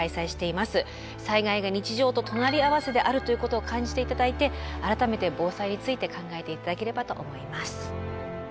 災害が日常と隣り合わせであるということを感じて頂いて改めて防災について考えて頂ければと思います。